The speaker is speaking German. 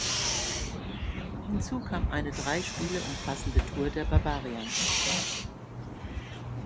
Hinzu kam eine drei Spiele umfassende Tour der Barbarians.